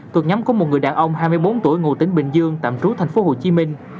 thuộc nhóm của một người đàn ông hai mươi bốn tuổi ngụ tỉnh bình dương tạm trú thành phố hồ chí minh